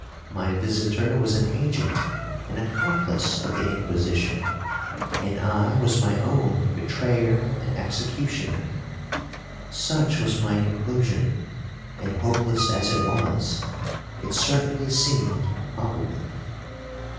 My visitor was an agent and accomplice of the Inquisition, and I was my own betrayer and executioner. Such was my conclusion; and, hopeless as it was, it certainly seemed probable.